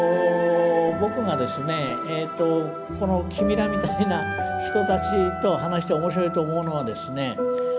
この君らみたいな人たちと話して面白いと思うのはですね